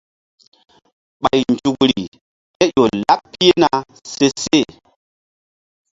Ɓay nzukri ké ƴo laɓ pihna seseh.